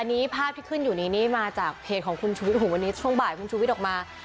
อันนี้ภาพที่ขึ้นอยู่นี้นี่มาจากเพจของคุณชูวิทย์วันนี้ช่วงบ่ายคุณชูวิทย์ออกมา